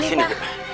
eh sini deh pak